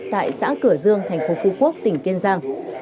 tại xã cửa dương tp phú quốc tỉnh kiên giang